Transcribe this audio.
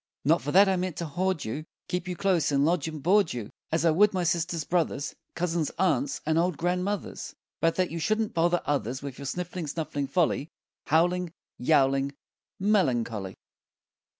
Not for that I mean to hoard you, Keep you close and lodge and board you As I would my sisters, brothers, Cousins, aunts, and old grandmothers, But that you shan't bother others With your sniffling, snuffling folly, Howling, Yowling, Melancholy.